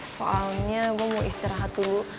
soalnya gue mau istirahat dulu